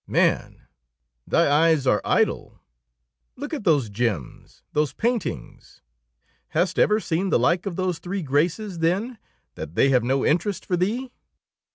"Man, thy eyes are idle; look at those gems, those paintings; hast ever seen the like of those 'Three Graces,' then, that they have no interest for thee?"